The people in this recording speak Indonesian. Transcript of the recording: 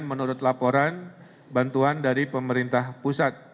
menurut laporan bantuan dari pemerintah pusat